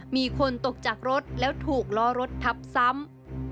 มีคนตกจากรถแล้วถูกล้อรถทับซ้ำ